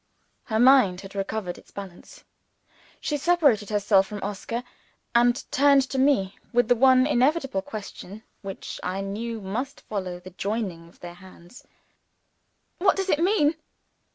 Her mind had recovered its balance. She separated herself from Oscar, and turned to me, with the one inevitable question which I knew must follow the joining of their hands. "What does it mean?"